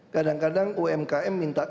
kadang kadang umkm minta